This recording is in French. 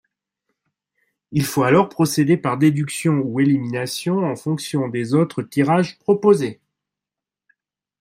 Il faut alors procéder par déduction ou élimination en fonction des autres tirages proposés.